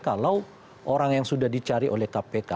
kalau orang yang sudah dicari oleh kpk